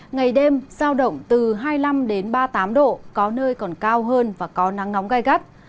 ngày đêm giao động từ hai mươi năm ba mươi tám độ có nơi còn cao hơn và có nắng nóng gai gắt